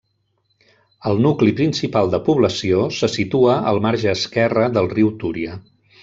El nucli principal de població se situa al marge esquerre del riu Túria.